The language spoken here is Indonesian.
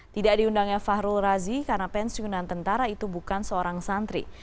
tidak diundangnya fahrul razi karena pensiunan tentara itu bukan seorang santri